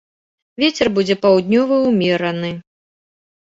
Вецер будзе паўднёвы ўмераны.